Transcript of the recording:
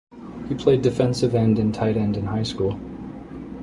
He played defensive end and tight end in high school.